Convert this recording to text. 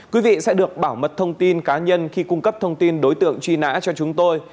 quý vị sẽ được bảo mật thông tin cá nhân khi cung cấp thông tin đối tượng truy nã cho chúng tôi